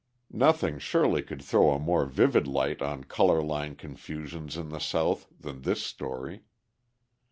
Nothing surely could throw a more vivid light on colour line confusions in the South than this story.